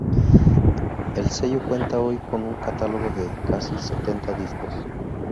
El sello cuenta hoy con un catálogo de casi setenta discos.